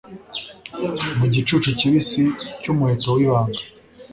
mu gicucu kibisi cyumuheto wibanga